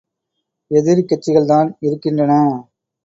எதிரிக் கட்சிகள்தான் இருக்கின்றன.